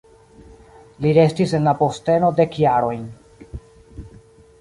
Li restis en la posteno dek jarojn.